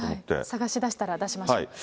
探し出したら出しましょう。